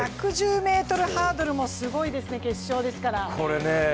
その１１０ｍハードルもすごいですね、決勝ですから。